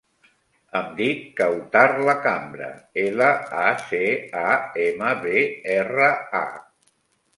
Em dic Kawtar Lacambra: ela, a, ce, a, ema, be, erra, a.